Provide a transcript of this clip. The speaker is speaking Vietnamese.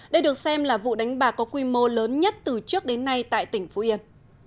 đây được xem là vụ đánh bạc có quy mô lớn nhất từ trước đến nay tại tỉnh phú yên